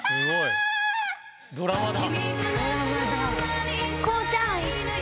ドラマだ！